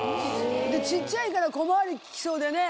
小っちゃいから小回り利きそうでね。